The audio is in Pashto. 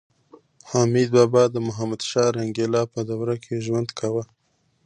حمید بابا د محمدشاه رنګیلا په دوره کې ژوند کاوه